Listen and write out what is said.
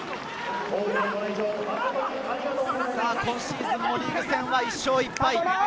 今シーズンのリーグ戦は１勝１敗。